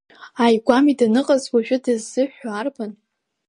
Ааигәами даныҟаз, уажәы дыззыҳәо арбан?